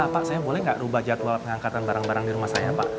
pak saya boleh nggak rubah jadwal pengangkatan barang barang di rumah saya pak